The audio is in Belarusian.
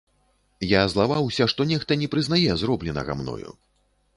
Я злаваўся, што нехта не прызнае зробленага мною.